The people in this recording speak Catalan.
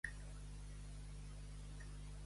En Manuel està la mel.